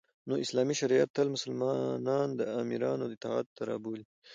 نو اسلامی شریعت تل مسلمانان د امیرانو اطاعت ته رابولی